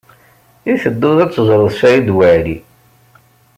I tedduḍ ad teẓreḍ Saɛid Waɛli?